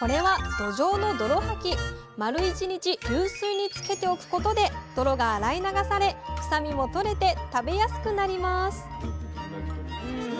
丸１日流水につけておくことで泥が洗い流され臭みも取れて食べやすくなります